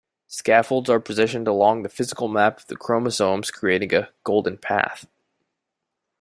Scaffolds are positioned along the physical map of the chromosomes creating a "golden path".